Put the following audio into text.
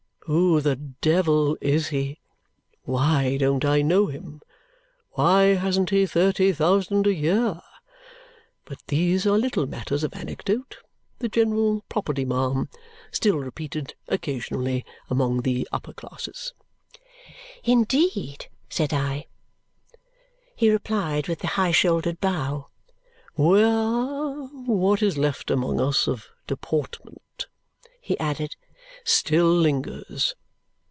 Who the devil is he? Why don't I know him? Why hasn't he thirty thousand a year?' But these are little matters of anecdote the general property, ma'am still repeated occasionally among the upper classes." "Indeed?" said I. He replied with the high shouldered bow. "Where what is left among us of deportment," he added, "still lingers.